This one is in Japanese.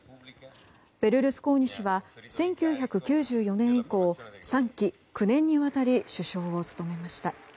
ベルルスコーニ氏は１９９４年以降３期９年にわたり首相を務めました。